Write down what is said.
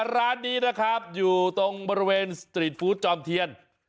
ร้านนี้นะครับอยู่ตรงบริเวณสตรีทฟู้ดจอมเทียน